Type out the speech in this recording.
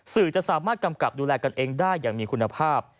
สื่อจะสามารถกำกับดูแลกันเองได้อย่างมีคุณภาพ